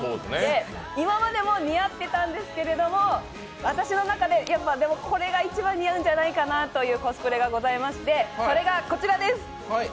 今までも似合ってたんですけれども、私の中で、やっぱこれが一番似合うんじゃないかなというコスプレがございましてそれがこちらです。